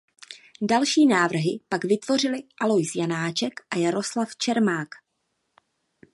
Další návrhy pak vytvořili Alois Janáček a Jaroslav Čermák.